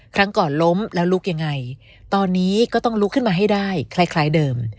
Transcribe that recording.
ครั้งก่อนล้มแล้วลุกยังไงตอนนี้ก็ต้องลุกขึ้นมาให้ได้คล้ายเดิม